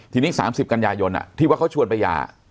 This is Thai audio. ทีนี้๓๐กันยายนที่ว่าเขาชวนไปยา